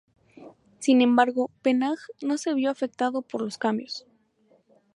Sin embargo, Penang no se vio afectado por los cambios.